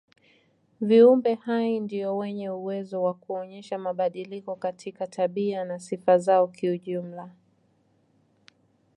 Viumbe hai ndio wenye uwezo wa kuonyesha mabadiliko katika tabia na sifa zao kijumla.